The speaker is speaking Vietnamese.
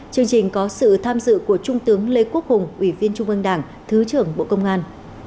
chương trình có sự tham dự của trung tướng lê quốc hùng ủy viên trung ương đảng thứ trưởng bộ công an